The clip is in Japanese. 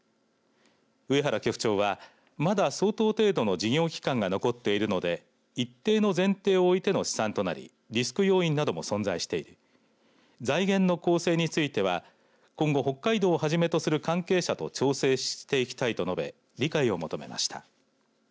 上原局長は、まだ相当程度の事業期間が残っているので一定の前提を置いての試算となりリスク要因なども存在している財源の公正については今後北海道をはじめとする関係者を調整していきたいと述べ理解を求めました。